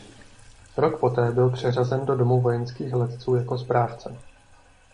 Rok poté byl přeřazen do Domu vojenských letců jako správce.